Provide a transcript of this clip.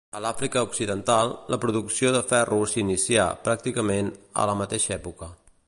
A l'Àfrica occidental, la producció de ferro s'inicià, pràcticament, a la mateixa època.